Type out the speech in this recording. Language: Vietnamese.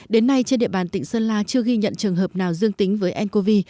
đến nay trên địa bàn tỉnh sơn la chưa ghi nhận trường hợp nào dương tính với ncov